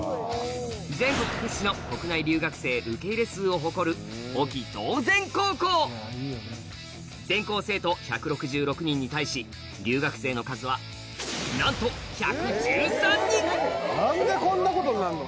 全国屈指の国内留学生受け入れ数を誇るに対し留学生の数はなんと何でこんなことになるの？